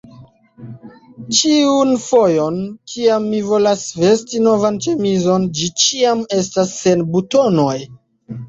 ĉiun fojon, kiam mi volas vesti novan ĉemizon, ĝi ĉiam estas sen butonoj!